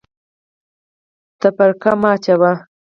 تفرقه مه اچوئ